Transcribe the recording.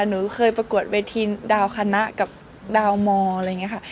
หนูเคยประกวดเวทีดาวคณะกับดาวมอร์อะไรอย่างนี้ค่ะ